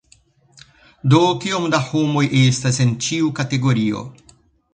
Do kiom da homoj estas en ĉiu kategorio?